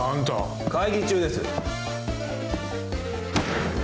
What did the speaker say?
会議中です。